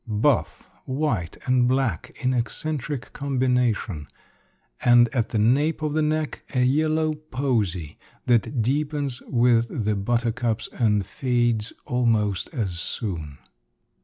Buff, white and black in eccentric combination; and at the nape of the neck, a yellow posy, that deepens with the buttercups and fades almost as soon.